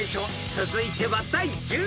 ［続いては第１７位］